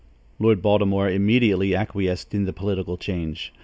Lord Baltimore immediately acquiesced in the political change.